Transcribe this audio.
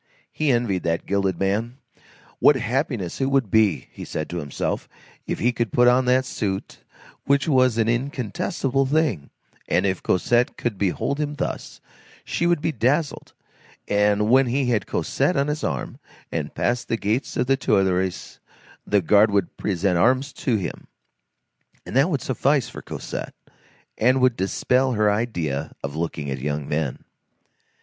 He envied that gilded man; what happiness it would be, he said to himself, if he could put on that suit which was an incontestable thing; and if Cosette could behold him thus, she would be dazzled, and when he had Cosette on his arm and passed the gates of the Tuileries, the guard would present arms to him, and that would suffice for Cosette, and would dispel her idea of looking at young men.